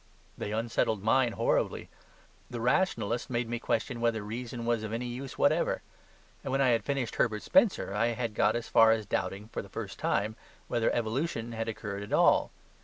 They unsettled mine horribly. The rationalist made me question whether reason was of any use whatever; and when I had finished Herbert Spencer I had got as far as doubting (for the first time) whether evolution had occurred at all.